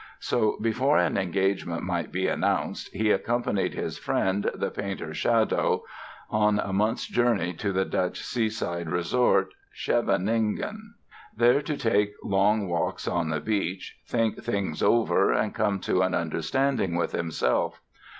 So before an engagement might be announced he accompanied his friend, the painter Schadow, on a month's journey to the Dutch seaside resort, Scheveningen, there to take long walks on the beach, think things over and come to an understanding with himself.